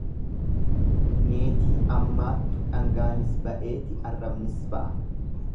Niitii ammaattu dhangaanis ba'eeti arrabnis ba'a.